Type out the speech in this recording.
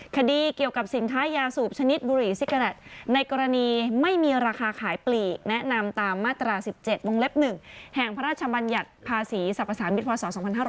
คดีเกี่ยวกับสินค้ายาสูบชนิดบุหรี่ซิกาแดตในกรณีไม่มีราคาขายปลีกแนะนำตามมาตรา๑๗วงเล็บ๑แห่งพระราชบัญญัติภาษีสรรพสารมิตรพศ๒๕๖๐